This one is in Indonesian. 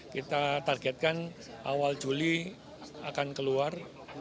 kita targetkan awal juli akan keluar